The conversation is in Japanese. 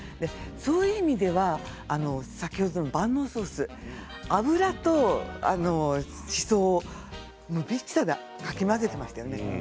そういう意味では先ほどの万能ソース油としそをかき混ぜていましたよね。